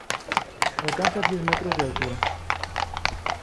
Alcanza diez metros de altura.